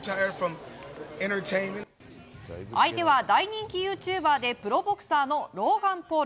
相手は大人気ユーチューバーでプロボクサーのローガン・ポール。